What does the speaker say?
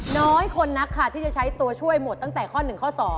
น้อยคนนักค่ะที่จะใช้ตัวช่วยหมดตั้งแต่ข้อ๑ข้อ๒